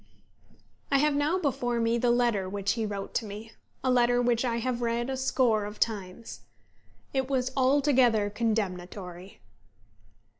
I have now before me the letter which he wrote to me, a letter which I have read a score of times. It was altogether condemnatory.